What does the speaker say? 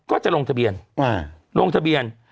ก็จะลงทะเบียน